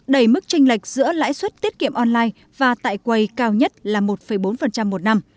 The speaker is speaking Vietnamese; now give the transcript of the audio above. đẩy mức tranh lệch giữa lãi suất tiết kiệm online và tại quầy cao nhất là một bốn một năm